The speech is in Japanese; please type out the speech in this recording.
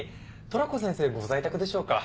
トラコ先生ご在宅でしょうか？